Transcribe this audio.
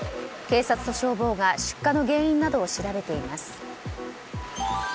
警察と消防が出火の原因などを調べています。